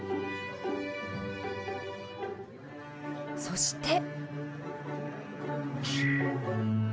そして。